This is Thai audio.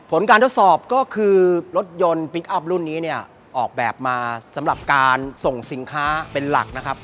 ผลการทดสอบก็คือรถยนต์พลิกอัพรุ่นนี้เนี่ยออกแบบมาสำหรับการส่งสินค้าเป็นหลักนะครับ